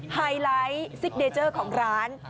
ไฮไลท์ซิกเนเจอร์ของร้าน